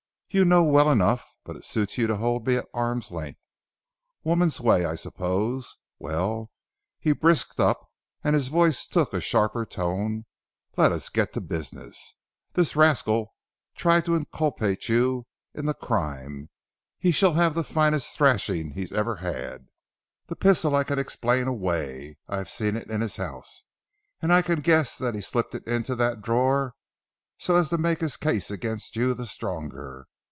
You know well enough; but it suits you to hold me at arm's length. Woman's way I suppose. Well," he brisked up and his voice took a sharper tone, "let us get to business. This rascal tried to inculpate you in the crime. He shall have the finest thrashing he ever had. The pistol I can explain away. I have seen it in his house, and I can guess that he slipped it into that drawer so as to make his case against you the stronger.